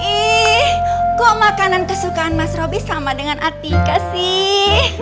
ih kok makanan kesukaan mas roby sama dengan atika sih